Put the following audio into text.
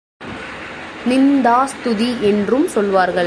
நிந்தாஸ்துதி என்றும் சொல்லுவார்கள்.